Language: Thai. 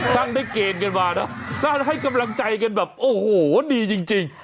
ทั้งนี่เกลียดเกินมาแล้วให้กำลังใจกันแบบโอ้โหดีจริง